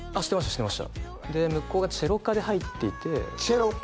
知ってました向こうがチェロ科で入っていてチェロ科？